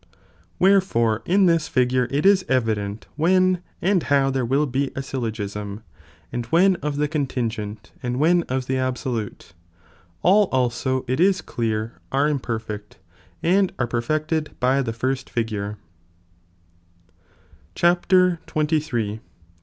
f Wherefore in thia figure it it is evident, when and how there will be a Byllogism,* and when of the contingent, and when of the absolute, all also it is clear are imperfect, and are perfected by the first figure.